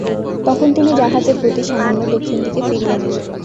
তখন তিনি জাহাজের গতি সামান্য দক্ষিণ দিকে ফিরিয়ে নেন।